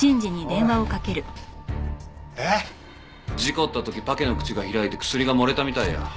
ええ！？事故った時パケの口が開いて薬が漏れたみたいや。